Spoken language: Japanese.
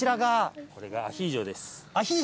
これがアヒージョです。